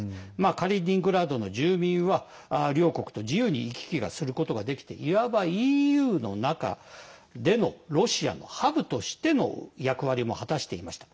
カリーニングラードの住民は両国と自由に行き来をすることができていわばＥＵの中でのロシアのハブとしての役割も果たしていました。